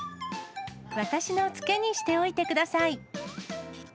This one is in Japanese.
私の付けにしておいてください。